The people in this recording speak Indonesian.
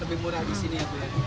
lebih murah di sini ya bu ya